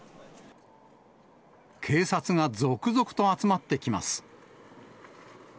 警察が続々と集まってきます。